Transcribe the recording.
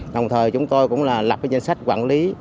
đồng thời chúng tôi cũng là lập cái danh sách quản lý